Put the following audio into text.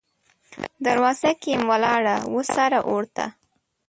دروازه کې یم ولاړه، وه سره اور ته